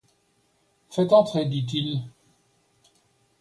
Faites entrer, dit-il.